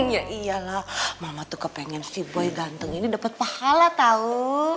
iya iyalah mama tuh kepengen si boy ganteng ini dapat pahala tau